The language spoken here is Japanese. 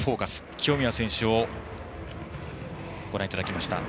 清宮選手をご覧いただきました。